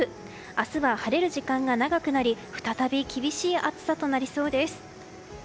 明日は晴れる時間が長くなり再び厳しい暑さとなりそうです。